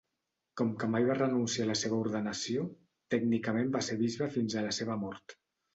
Com que mai va renunciar a la seva ordenació, tècnicament va ser bisbe fins a la seva mort.